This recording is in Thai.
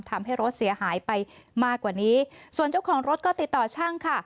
ทำให้รถเสียหายไปมากกว่านี้ส่วนเจ้าของรถก็ติดต่อช่างค่ะ